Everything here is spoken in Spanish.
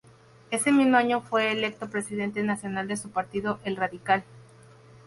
Ese mismo año fue electo Presidente nacional de su partido, el Radical.